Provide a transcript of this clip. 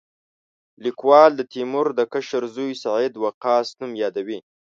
لیکوال د تیمور د کشر زوی سعد وقاص نوم یادوي.